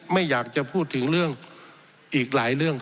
ไม่อยากจะพูดถึงเรื่องอีกหลายเรื่อง